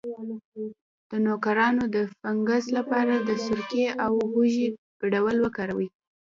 د نوکانو د فنګس لپاره د سرکې او هوږې ګډول وکاروئ